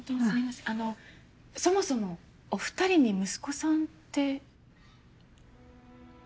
あのそもそもお二人に息子さんって？